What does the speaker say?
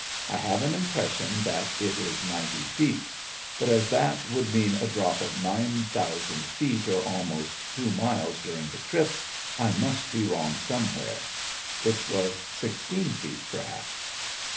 I have an impression that it is ninety feet, but as that would mean a drop of nine thousand feet, or almost two miles, during the trip, I must be wrong somewhere. It was sixteen feet, perhaps.